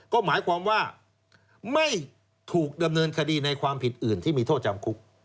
ก็หมายความว่าไม่ถูกดำเนินคดีในความผิดอื่นที่มีโทษจำคุก